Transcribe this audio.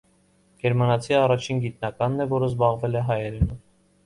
Գերմանացի առաջին գիտնականն է, որ զբաղվել է հայերենով։